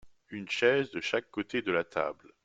Une chaise de chaque côté de la table.